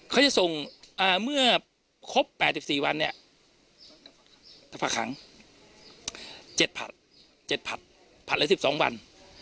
เขาจะส่งเมื่อครบ๘๔วันเนี่ยทรัพย์ขัง๗ผัดผัดละ๑๒วัน